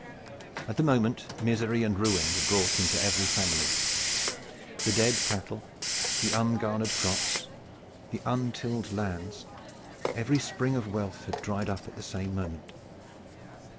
At the moment misery and ruin were brought into every family. The dead cattle, the ungarnered crops, the untilled lands every spring of wealth had dried up at the same moment.